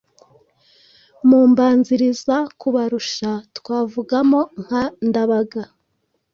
Mu mbanzirizakubarusha twavugamo nka Ndabaga